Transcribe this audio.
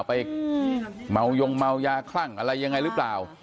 ไปเมายงเมายาคลั่งอะไรยังไงหรือเปล่า